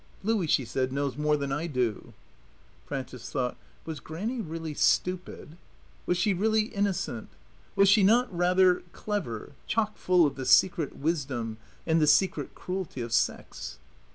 "Louie," she said, "knows more than I do." Frances thought: Was Grannie really stupid? Was she really innocent? Was she not, rather, clever, chock full of the secret wisdom and the secret cruelty of sex?